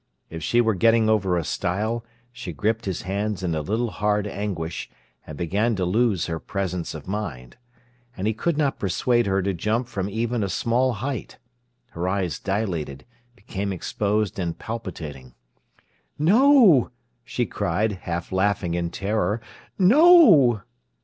If she were getting over a stile, she gripped his hands in a little hard anguish, and began to lose her presence of mind. And he could not persuade her to jump from even a small height. Her eyes dilated, became exposed and palpitating. "No!" she cried, half laughing in terror—"no!"